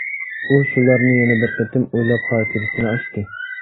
ئۇ شۇلارنى يەنە بىر قېتىم ئويلاپ خاتىرىسىنى ئاچتى.